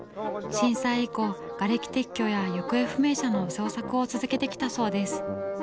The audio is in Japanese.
震災以降がれき撤去や行方不明者の捜索を続けてきたそうです。